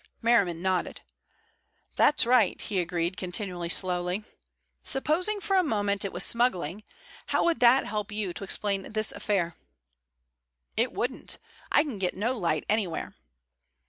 Merriman nodded. "That's right," he agreed, continuing slowly: "Supposing for a moment it was smuggling. How would that help you to explain this affair?" "It wouldn't. I can get no light anywhere."